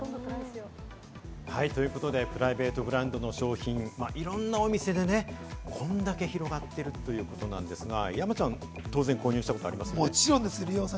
プライベートブランドの商品、いろんなお店でね、こんだけ広がっているということなんですが山ちゃん、当然、購入したことありますよね？